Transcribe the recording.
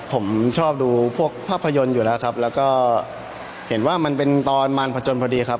ผมชอบดูพวกภาพยนตร์อยู่แล้วครับแล้วก็เห็นว่ามันเป็นตอนมารพจนพอดีครับ